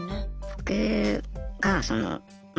僕がそのまあ